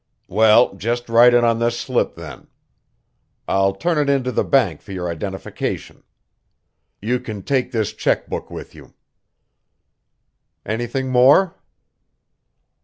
"Well, just write it on this slip then. I'll turn it into the bank for your identification. You can take this check book with you." "Anything more?"